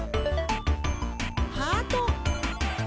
ハート！